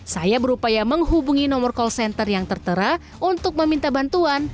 saya berupaya menghubungi nomor call center yang tertera untuk meminta bantuan